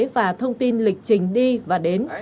và thông tin lịch trình đi và đến